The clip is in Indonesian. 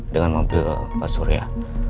dengan mobil pak surya